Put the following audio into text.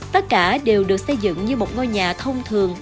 tất cả đều được xây dựng như một ngôi nhà thông thường